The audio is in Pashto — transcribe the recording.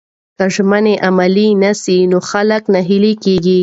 که ژمنې عملي نسي نو خلک ناهیلي کیږي.